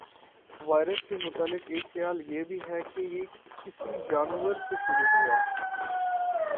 virus کے متعلق ایک خیال یہ بھی ہے کہ یہ کسی جانور سے شروع ہوا